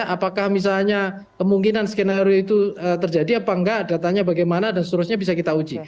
apakah misalnya kemungkinan skenario itu terjadi apa enggak datanya bagaimana dan seterusnya bisa kita uji